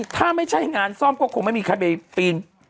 ถ้าไม่ใช่งานซ่อมก็คงไม่มีใครไปปีน